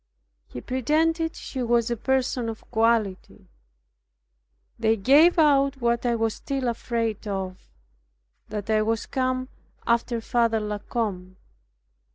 He pretended she was a person of quality. They gave out what I was still afraid of, that I was come after Father La Combe.